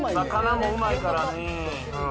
お魚もうまいからね。